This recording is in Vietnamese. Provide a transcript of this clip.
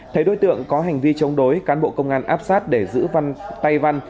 thấy đối tượng có hành vi chống đối cán bộ công an áp sát để giữ văn tay văn